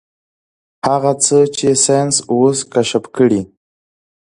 هغه څه چې ساينس اوس کشف کړي.